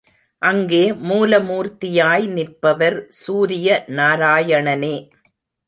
அங்கே மூல மூர்த்தியாய் நிற்பவர் சூரிய நாராயணனே.